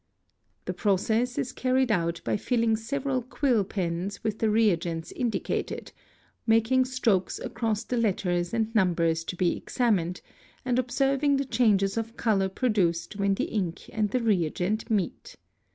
The process is carried out by filling several quill pens with the reagents indicated, making strokes across the letters and numbers to be examined, and observing the changes of colour produced where the ink and the reagent meet.